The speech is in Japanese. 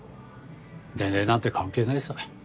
年齢なんて関係ないさ。